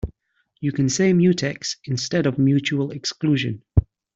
You can say mutex instead of mutual exclusion.